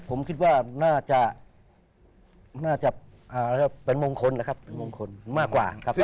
ผมคิดว่าน่าจะเป็นมงคลนะครับมากกว่า